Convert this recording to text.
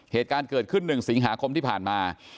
เหตุการณ์เกิดขึ้น๑สิงหาคมที่ผ่านมา